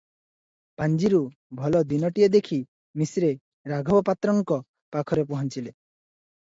ପାଞ୍ଜିରୁ ଭଲ ଦିନଟିଏ ଦେଖି ମିଶ୍ରେ ରାଘବ ପାତ୍ରଙ୍କ ପାଖରେ ପହଞ୍ଚିଲେ ।